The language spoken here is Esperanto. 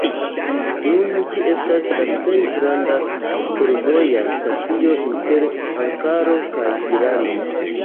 Nun ĝi estas la plej granda fervoja stacio inter Ankaro kaj Irano.